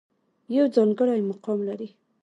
يو ځانګړے مقام لري